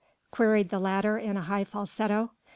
queried the latter in a high falsetto.